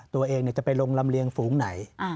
ตัวเองจะไปลงลำเลียงฝูงไหน